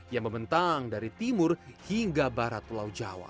yang membentang dari timur hingga barat pulau jawa